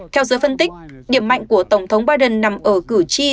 theo giới phân tích điểm mạnh của tổng thống biden nằm ở cử tri đoàn tại các bang